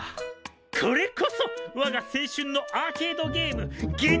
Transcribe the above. これこそわが青春のアーケードゲーム「月面探査」だ！